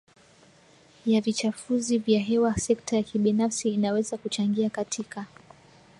ya vichafuzi vya hewa Sekta ya kibinafsi inaweza kuchangia katika